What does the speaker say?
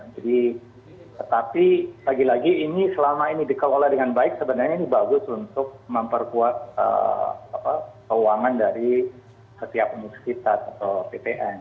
jadi tetapi lagi lagi ini selama ini dikelola dengan baik sebenarnya ini bagus untuk memperkuat keuangan dari setiap muslimat atau ptn